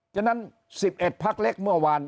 ฉะนั้น๑๑พักเล็กเมื่อวาน